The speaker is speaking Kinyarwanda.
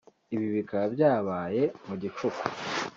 Ibi bikaba byabaye mu gicuku